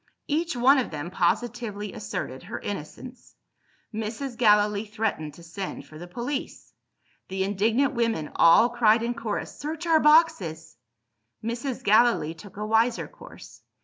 Each one of them positively asserted her innocence. Mrs. Gallilee threatened to send for the police. The indignant women all cried in chorus, "Search our boxes!" Mrs. Gallilee took a wiser course.